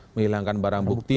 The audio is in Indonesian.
menghilangkan barang bukti